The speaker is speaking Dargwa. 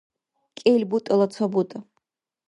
кӀел бутӀала ца бутӀа